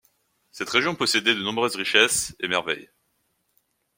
Cette région possédait de nombreuses richesses et merveilles.